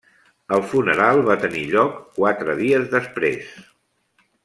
El funeral va tenir lloc quatre dies després.